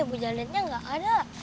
bu janetnya gak ada